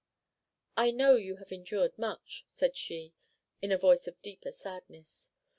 "I know you have endured much," said she, in a voice of deeper sadness.